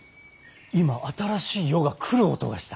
今新しい世が来る音がした。